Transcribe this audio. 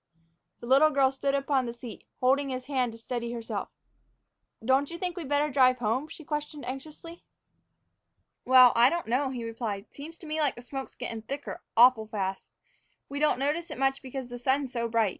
The little girl stood upon the seat, holding his hand to steady herself. "Don't you think we'd better drive home?" she questioned anxiously. "Well, I don't know," he replied. "Seems to me like the smoke's gettin' thicker awful fast. We don't notice it much because the sun's so bright.